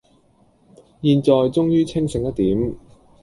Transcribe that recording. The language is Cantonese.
現在終於清醒一點